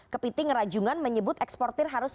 kepiting rajungan menyebut eksportir harus